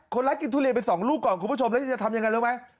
ร้านกินทุเรียนไป๒ลูกก่อนคุณผู้ชมแล้วจะทำยังไงรู้ไหม